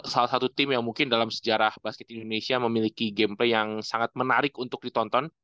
salah satu tim yang mungkin dalam sejarah basket indonesia memiliki gameplay yang sangat menarik untuk ditonton